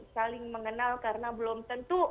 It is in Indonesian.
saling mengenal karena belum tentu